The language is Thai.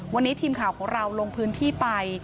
วันนี้ทีมข่าวของเราลงพื้นที่ไป